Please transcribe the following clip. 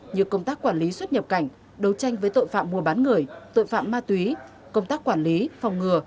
như công tác quản lý xuất nhập cảnh đấu tranh với tội phạm mua bán người tội phạm ma túy công tác quản lý phòng ngừa